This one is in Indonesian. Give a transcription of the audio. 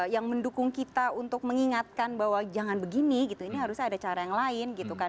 yang mendukung kita untuk mengingatkan bahwa jangan begini gitu ini harusnya ada cara yang lain gitu kan